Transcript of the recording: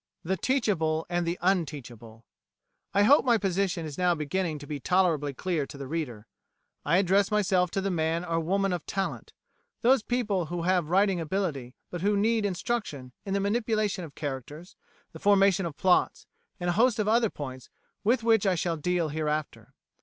The Teachable and the Unteachable I hope my position is now beginning to be tolerably clear to the reader. I address myself to the man or woman of talent those people who have writing ability, but who need instruction in the manipulation of characters, the formation of plots, and a host of other points with which I shall deal hereafter.